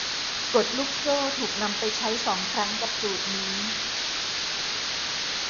กฎลูกโซ่ถูกนำไปใช้สองครั้งกับสูตรนี้